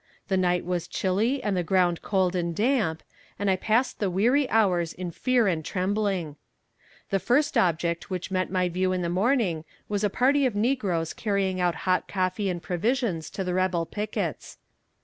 The night was chilly and the ground cold and damp, and I passed the weary hours in fear and trembling. The first object which met my view in the morning was a party of negroes carrying out hot coffee and provisions to the rebel pickets.